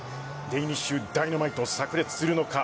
デニッシュダイナマイト炸裂するのか。